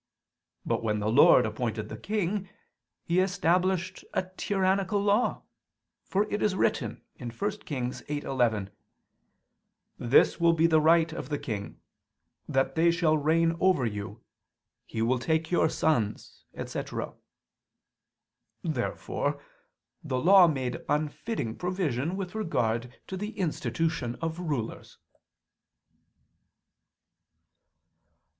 But when the Lord appointed the king, He established a tyrannical law; for it is written (1 Kings 8:11): "This will be the right of the king, that shall reign over you: He will take your sons," etc. Therefore the Law made unfitting provision with regard to the institution of rulers.